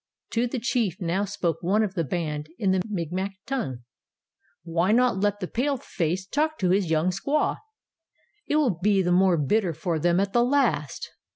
To the chief now spoke one of the band in the Micmac tongue: "Why not let the paleface talk to his young squaw? It will be the more bitter for them at the last!"